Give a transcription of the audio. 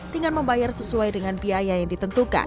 dengan membayar sesuai dengan biaya yang ditentukan